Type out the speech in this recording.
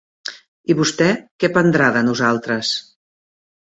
I vostè, què prendrà de nosaltres?